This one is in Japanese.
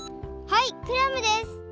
はいクラムです。